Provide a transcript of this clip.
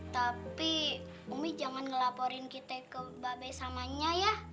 tapi umi jangan ngelaporin kita ke mbak besamanya ya